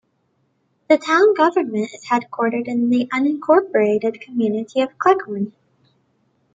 The town government is headquartered in the unincorporated community of Cleghorn.